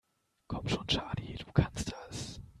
Komm schon, Charlie, du kannst das!